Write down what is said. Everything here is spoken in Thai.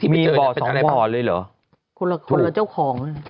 มีบ่อ๒บ่อเลยเหรอคนละเจ้าของ